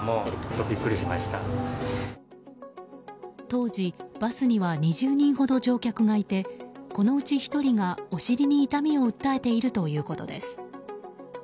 当時、バスには２０人ほど乗客がいてこのうち１人が、お尻に痛みを訴えているということです。